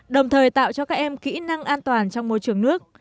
đồng thời tạo cho các em kỹ năng an toàn trong môi trường nước